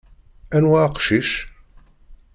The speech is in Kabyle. Anwa aqcic?